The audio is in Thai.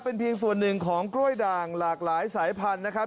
เป็นเพียงส่วนหนึ่งของกล้วยด่างหลากหลายสายพันธุ์นะครับ